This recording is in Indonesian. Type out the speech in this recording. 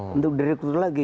untuk direktur lagi